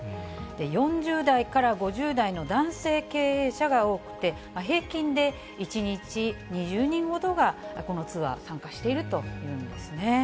４０代から５０代の男性経営者が多くて、平均で１日２０人ほどがこのツアー、参加しているというんですね。